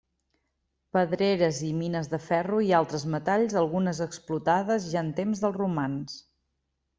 Pedreres i mines de ferro i altres metalls, algunes explotades ja en temps dels romans.